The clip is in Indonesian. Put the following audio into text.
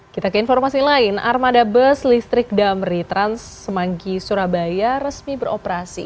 kita ke informasi lain armada bus listrik damri trans semanggi surabaya resmi beroperasi